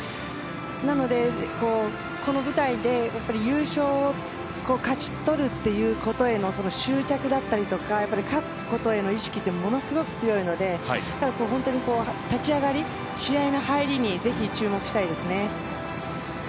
なのでこの舞台で優勝を勝ち取るっていうことへの執着だったりとか、勝つことへの意識ってものすごく強いので本当に立ち上がり、試合の入りにぜひ注目したいですね。